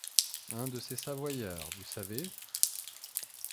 Un de ces savoyards, vous savez ?